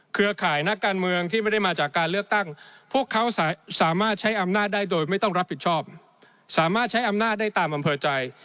ข่ายนักการเมืองที่ไม่ได้มาจากการเลือกตั้งพวกเขาสามารถใช้อำนาจได้โดยไม่ต้องรับผิดชอบสามารถใช้อำนาจได้ตามอำเภอใจ